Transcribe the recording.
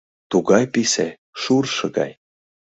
Тугай писе — шуршо гай.